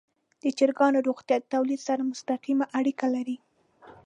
د چرګانو روغتیا د تولید سره مستقیمه اړیکه لري.